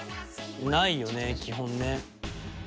ないよね基本ね。